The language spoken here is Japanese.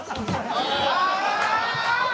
ああ！